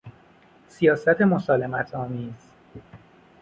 سیاست مسالمت آمیز